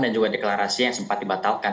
dan juga deklarasi yang sempat dibatalkan